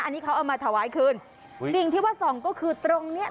อันนี้เขาเอามาถวายคืนสิ่งที่ว่าส่องก็คือตรงเนี้ย